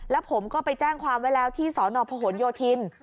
แล้วผมก็ไปแจ้งความไว้แล้วที่สนพหนโยธิน